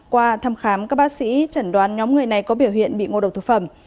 qua thăm khám các bác sĩ chẩn đoán nhóm người này có biểu hiện bị ngộ độc thực phẩm